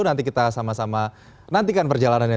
nanti kita sama sama nantikan perjalanannya